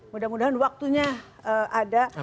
mudah mudahan waktunya ada